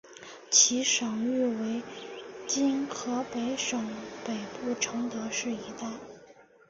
其省域为今河北省北部承德市一带。